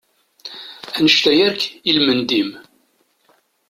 Annect-a yark, ilmend-im!